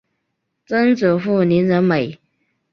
曾祖父林仁美。